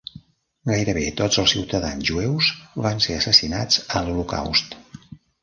Gairebé tots els ciutadans jueus van ser assassinats a l'Holocaust.